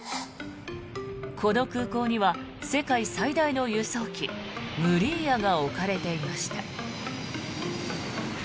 この空港には世界最大の輸送機ムリーヤが置かれていました。